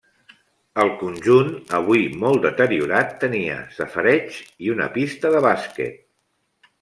El conjunt, avui molt deteriorat, tenia safareigs i una pista de bàsquet.